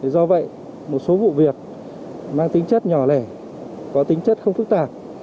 do vậy một số vụ việc mang tính chất nhỏ lẻ có tính chất không phức tạp